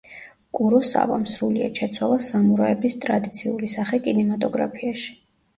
კუროსავამ სრულიად შეცვალა სამურაების ტრადიციული სახე კინემატოგრაფიაში.